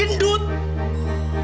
emang ada siapa